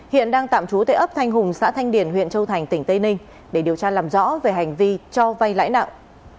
hiện đang tạm trú tại ấp thanh hùng xã thanh điển huyện châu thành tỉnh tây ninh để điều tra làm rõ về hành vi cho vay lãi nặng